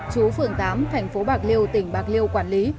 chú phường tám thành phố bạc liêu tỉnh bạc liêu quản lý